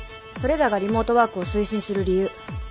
それらがリモートワークを推進する理由。